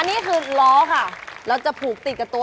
อันนี้คือล้อค่ะเราจะผูกติดกับตัว